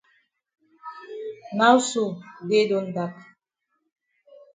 Now so day don dak.